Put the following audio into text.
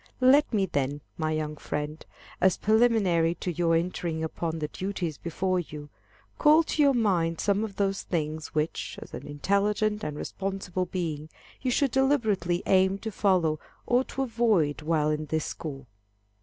Let me, then, my young friend, as preliminary to your entering upon the duties before you, call to your mind some of those things, which, as an intelligent and responsible being, you should deliberately aim to follow or to avoid while in this school.